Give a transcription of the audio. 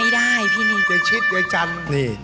ได้มั้ย